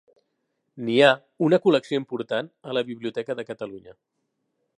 N'hi ha una col·lecció important a la Biblioteca de Catalunya.